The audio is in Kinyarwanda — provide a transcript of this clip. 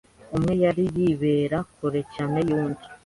umwe ari yibera kure cyane y’undi.